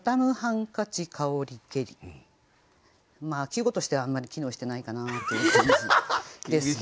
まあ季語としてはあんまり機能してないかなっていう感じですね。